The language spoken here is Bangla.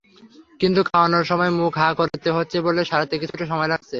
কিন্তু খাওয়ানোর সময় মুখ হাঁ করতে হচ্ছে বলে সারতে কিছুটা সময় লাগছে।